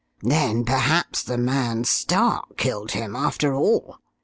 "Then perhaps the man Stark killed him, after all?"